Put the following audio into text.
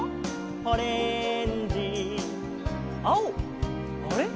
「オレンジ」「青あれ？